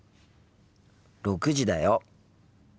６時だよ。